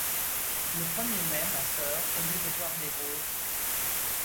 Le premier mai, ma soeur, au lieu de voir des roses